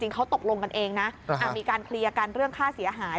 เขาตกลงกันเองนะมีการเคลียร์กันเรื่องค่าเสียหาย